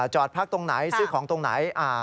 จอดพักตรงไหนซื้อของตรงไหน